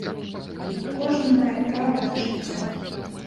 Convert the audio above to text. Кожны мае права на жыццё.